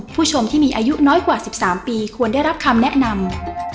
ผู้ชมที่มีอายุน้อยกว่า๑๓ปีควรได้รับคำแนะนำ